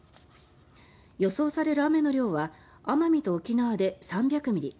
予想される雨の量は奄美と沖縄で３００ミリ